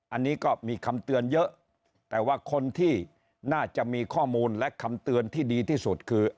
อันนี้ก็มีคำเตือนเยอะแต่ว่าคนที่น่าจะมีข้อมูลและคำเตือนที่ดีที่สุดคือ